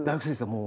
もう。